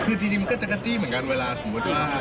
คือจริงมันก็จะกระจี้เหมือนกันเวลาสมมุติว่า